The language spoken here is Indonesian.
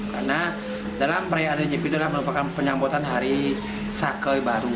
karena dalam raya anteria nyepi itu adalah merupakan penyambutan hari sakai baru